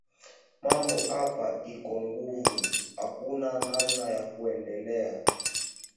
Mambo apa iko nguvu akuna namna ya kwendeleya